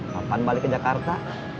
kapan balik ke jakarta